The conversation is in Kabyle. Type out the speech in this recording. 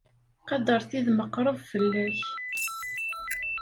Qader tid meqqreb fell-ak.